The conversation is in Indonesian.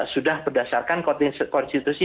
sudah berdasarkan konstitusi